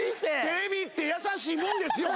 テレビって優しいもんですよ